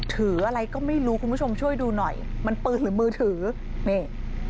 ถืออะไรก็ไม่รู้คุณผู้ชมช่วยดูหน่อยมันปืนหรือมือถือนี่